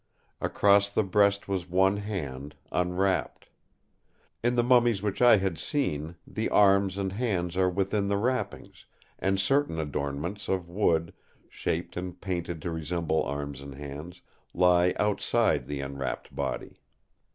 Across the breast was one hand, unwrapped. In the mummies which I had seen, the arms and hands are within the wrappings, and certain adornments of wood, shaped and painted to resemble arms and hands, lie outside the enwrapped body.